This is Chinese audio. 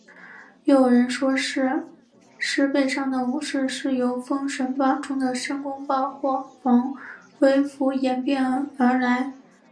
又有人说是狮背上的武士是由封神榜中的申公豹或黄飞虎演变而来。